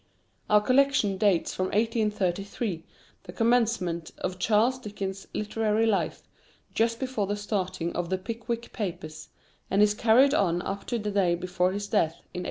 Our collection dates from 1833, the commencement of Charles Dickens's literary life, just before the starting of the "Pickwick Papers," and is carried on up to the day before his death, in 1870.